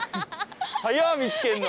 早っ見つけるの。